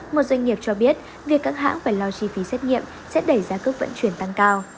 một doanh nghiệp cho biết việc các hãng phải lo chi phí xét nghiệm sẽ đẩy giá cước vận chuyển tăng cao